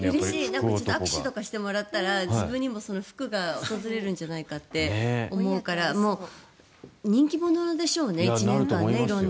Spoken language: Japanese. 握手とかしてもらったら自分にも福が訪れるんじゃないかって思うから人気者でしょうね１年間色んな人からね。